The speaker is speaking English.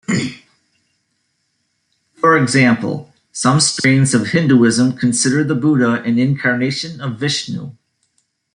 For example, some strains of Hinduism consider the Buddha an incarnation of Vishnu.